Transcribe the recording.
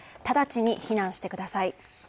直ちに避難してください。